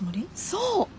そう！